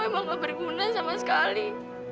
emang gak berguna sama sekali